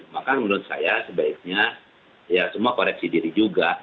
maka menurut saya sebaiknya ya semua koreksi diri juga